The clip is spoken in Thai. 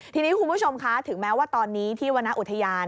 ทีนี้คุณผู้ชมคะถึงแม้ว่าตอนนี้ที่วรรณอุทยาน